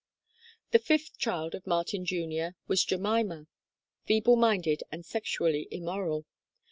The fifth child of Martin Jr. was Jemima (Chart V), feeble minded and sexually immoral.